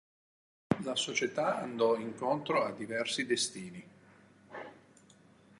La Società andò incontro a diversi destini.